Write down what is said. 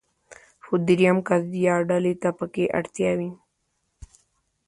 خو درېم کس يا ډلې ته پکې اړتيا وي.